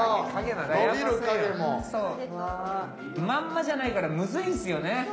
まんまじゃないからむずいんすよね。